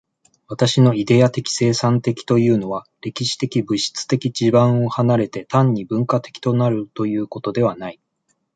私のイデヤ的生産的というのは、歴史的物質的地盤を離れて、単に文化的となるということではない。